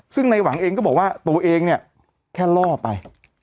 ซึ่งในหวังเองก็บอกว่าตัวเองเนี่ยแค่ล่อไป